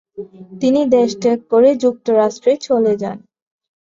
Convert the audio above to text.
তিনি দেশত্যাগ করে যুক্তরাষ্ট্রে চলে যান।